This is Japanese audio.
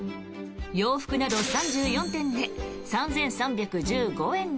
洋服など３４点で３３１５円に。